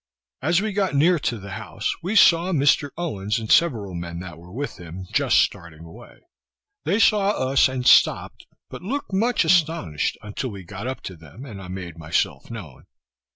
As we got near to the house, we saw Mr. Owens and several men that were with him, just starting away. They saw us, and stop'd, but looked much astonished until we got up to them, and I made myself known.